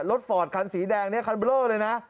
ฟอร์ดคันสีแดงเนี่ยคันเบลอเลยนะ